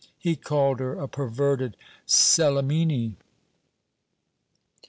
He called her a perverted Celimene.